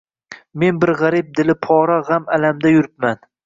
Men bir garib dili pora gam alamda yuribman